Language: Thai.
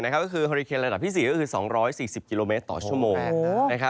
ก็คือฮอริเคนระดับที่๔ก็คือ๒๔๐กิโลเมตรต่อชั่วโมง